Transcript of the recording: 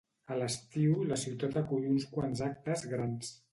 A l'estiu, la ciutat acull uns quants actes grans.